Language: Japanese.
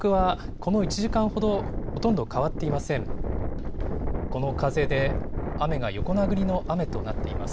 この風で、雨が横殴りの雨となっています。